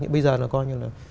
nhưng bây giờ là coi như là